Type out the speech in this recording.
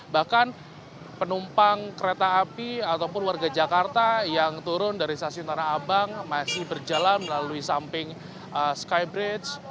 bahkan penumpang kereta api ataupun warga jakarta yang turun dari stasiun tanah abang masih berjalan melalui samping skybridge